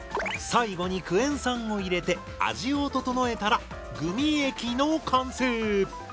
最後にクエン酸を入れて味をととのえたらグミ液の完成。